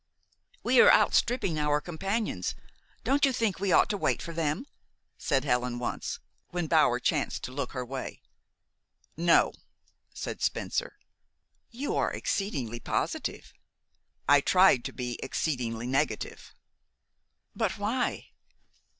"We are outstripping our companions. Don't you think we ought to wait for them?" said Helen once, when Bower chanced to look her way. "No," said Spencer. "You are exceedingly positive." "I tried to be exceedingly negative." "But why?"